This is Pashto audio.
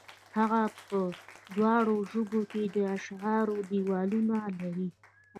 هغه په دواړو ژبو کې د اشعارو دېوانونه لري.